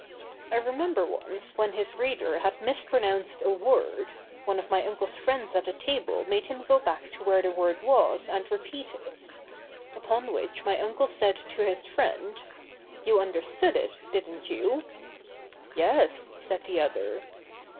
I remember once when his reader had mis pronounced a word, one of my uncle's friends at the table made him go back to where the word was and repeat it; upon which my uncle said to his friend, 'You understood it, didn't you?' 'Yes,' said the other.